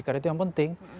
karena itu yang penting